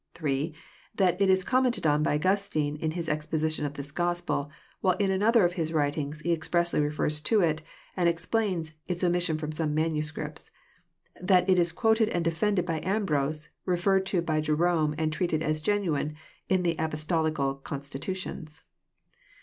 (8) That it is commented on by Augustine in his exposition of this Gospel ; while in another of his writings, he expressly re* fers to, and explains, its omission ft'om some manuscripts:— that it is quoted and defended by Ambrose, referred to by Je rome, and treated as genuine in the Apostolical constitutions.